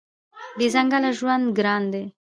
بې ځنګله ژوند ګران دی.